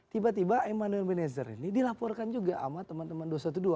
tiba tiba emmanuel benezer ini dilaporkan juga sama teman teman dua ratus dua belas